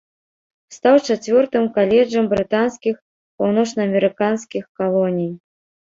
Стаў чацвёртым каледжам брытанскіх паўночнаамерыканскіх калоній.